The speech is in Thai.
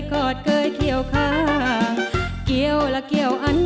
กอดเกยเขียวข้างเกียวละเกียวอัน